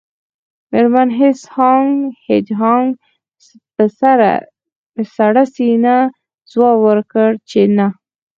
میرمن هیج هاګ په سړه سینه ځواب ورکړ چې نه